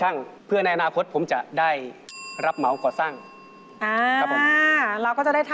หลักเพื่อเราควรจะได้รับเหมาคว่าสรรคนะครับกันครับผม